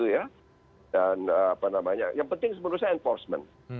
yang penting menurut saya enforcement